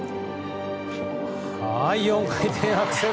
４回転アクセル。